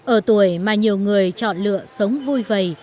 ở tuổi mà nhiều người chọn lựa sống vui vầy